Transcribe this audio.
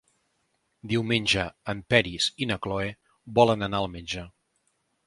Diumenge en Peris i na Cloè volen anar al metge.